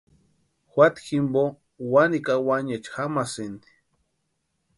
Juata jimpo wanikwa awaniecha jamasïnti.